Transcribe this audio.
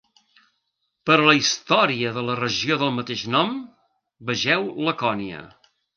Per a la història de la regió del mateix nom, vegeu Lacònia.